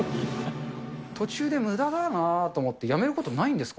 途中でむだだなあと思ってやめることないんですか。